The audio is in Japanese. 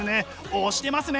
推してますね！